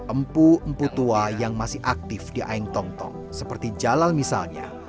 empu empu tua yang masih aktif di aeng tong tong seperti jalal misalnya